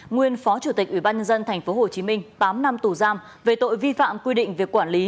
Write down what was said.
nguyên phó chủ tịch ủy ban nhân dân tp hcm tám năm tù giam về tội vi phạm quy định việc quản lý